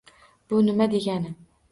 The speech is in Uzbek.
— Bu nima degani?